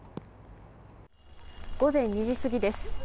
午前２時過ぎです。